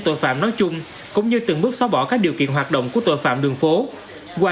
tội phạm nói chung cũng như từng bước xóa bỏ các điều kiện hoạt động của tội phạm đường phố qua